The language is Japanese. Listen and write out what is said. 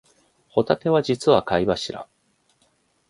ホタテは実は貝柱